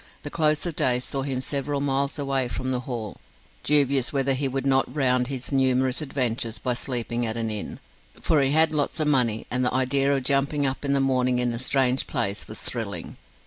The close of the day saw him several miles away from the Hall, dubious whether he would not round his numerous adventures by sleeping at an inn; for he had lots of money, and the idea of jumping up in the morning in a strange place was thrilling.